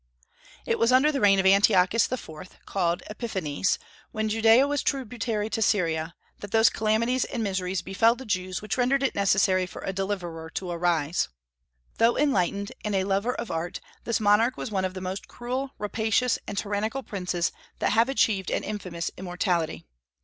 It was under the reign of Antiochus IV., called Epiphanes, when Judaea was tributary to Syria, that those calamities and miseries befell the Jews which rendered it necessary for a deliverer to arise. Though enlightened and a lover of art, this monarch was one of the most cruel, rapacious, and tyrannical princes that have achieved an infamous immortality.